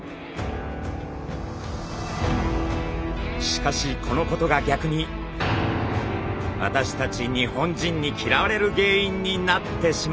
しかしこのことが逆に私たち日本人に嫌われる原因になってしまったのです。